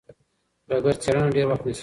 ډګر څېړنه ډېر وخت نیسي.